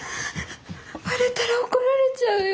割れたら怒られちゃうよ。